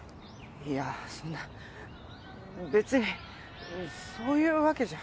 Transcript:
いやそんな別にそういうわけじゃ。